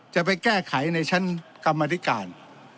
จะไปแก้ไขในชั้นกรรมธิการ